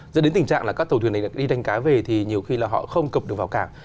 dẫn đến tình trạng là các tàu thuyền này đi đánh cá về thì nhiều khi là họ không cập được vào cảng